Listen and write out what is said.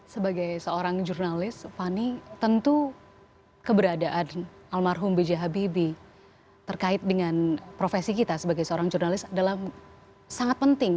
sebagai seorang jurnalis fani tentu keberadaan almarhum b j habibie terkait dengan profesi kita sebagai seorang jurnalis adalah sangat penting